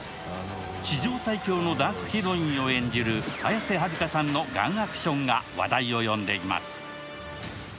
史上最強のダークヒロインを演じる綾瀬はるかさんのガンアクションが話題を呼んでいます。